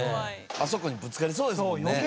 あそこにぶつかりそうですもんね。